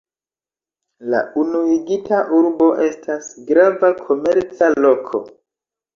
La unuigita urbo estas grava komerca loko.